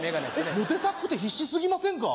モテたくて必死過ぎませんか？